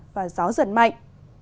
và gió dần mạnh